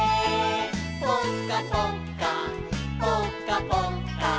「ぽかぽっかぽかぽっか」